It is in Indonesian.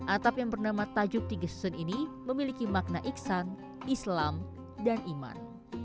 atap yang bernama tajuk tiga susun ini memiliki makna iksan islam dan iman